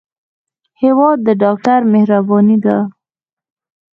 هېواد د ډاکټر مهرباني ده.